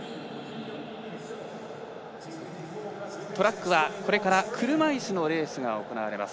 トラックはこれから車いすのレースが行われます。